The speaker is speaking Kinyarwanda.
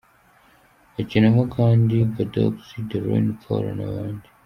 Hakinamo kandi J I, Badox, The Rain Paul, n’abandi.